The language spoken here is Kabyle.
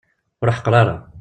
Ur ḥeqqer ara.